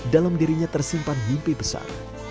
dalam dirinya tersimpan mimpi besar